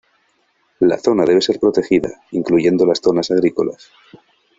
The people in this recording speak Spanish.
La zona debe ser protegida, incluyendo las zonas agrícolas.